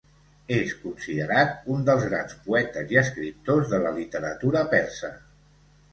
És considerat un dels grans poetes i escriptors de la literatura persa.